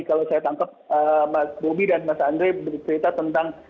kalau saya tangkap mas bobi dan mas andre bercerita tentang